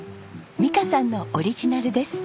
美香さんのオリジナルです。